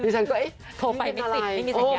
ดิฉันก็โทรไปไม่มีสัญญาณ